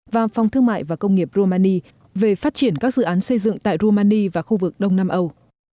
và phòng thương mại và công nghiệp rumani về phát triển các dự án xây dựng tại rumani và khu vực đông nam âu